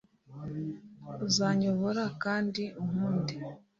uzanyobora kandi unkunde